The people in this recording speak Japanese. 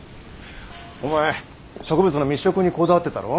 お前植物の密植にこだわってたろ。